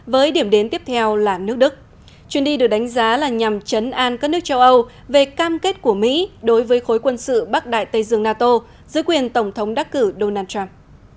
với điểm đến tiếp theo là nước đức chuyến đi được đánh giá là nhằm chấn an các nước châu âu về cam kết của mỹ đối với khối quân sự bắc đại tây dương nato dưới quyền tổng thống đắc cử donald trump